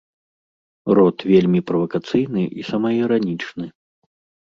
Рот вельмі правакацыйны і самаіранічны.